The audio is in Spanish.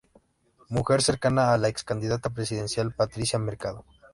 Mujer cercana a la Ex Candidata Presidencial, Patricia Mercado.